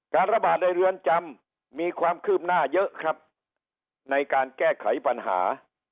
ระบาดในเรือนจำมีความคืบหน้าเยอะครับในการแก้ไขปัญหา